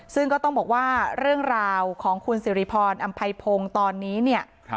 ซึ่งก็ต้องบอกว่าเรื่องราวของคุณสิริพรอำไพพงศ์ตอนนี้เนี่ย